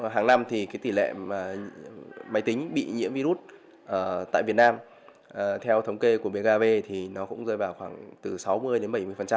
hàng năm thì tỷ lệ máy tính bị nhiễm virus tại việt nam theo thống kê của bkv thì nó cũng rơi vào khoảng từ sáu mươi đến bảy mươi